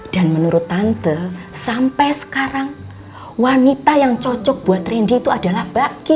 dan menurut tante sampai sekarang wanita yang cocok buat randy itu adalah mbak kim